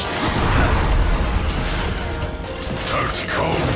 ハッ！